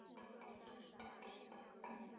噶桑扎西嘉措卓仓居巴仓活佛。